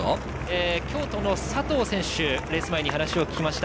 京都の佐藤選手にレース前に話を聞きました。